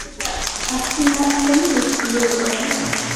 "Akina tennis?" "Yego, arabikora."